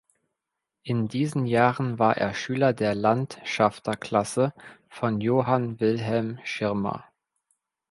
In diesen Jahren war er Schüler der Landschafterklasse von Johann Wilhelm Schirmer.